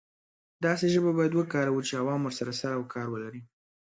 داسې ژبه باید وکاروو چې عوام ورسره سر او کار لري.